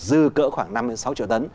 dư cỡ khoảng năm sáu triệu tấn